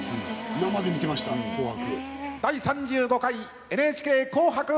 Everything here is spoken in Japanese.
生で見てましたあの「紅白」。